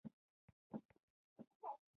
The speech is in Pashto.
هغه هېوادونه چې نفت لري ډېر شتمن دي.